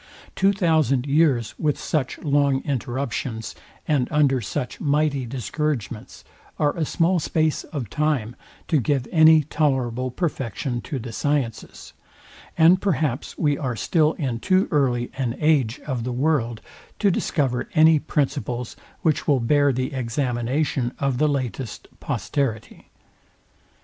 Two thousand years with such long interruptions, and under such mighty discouragements are a small space of time to give any tolerable perfection to the sciences; and perhaps we are still in too early an age of the world to discover any principles, which will bear the examination of the latest posterity.